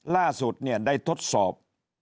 ล่าสุดได้ทดสอบ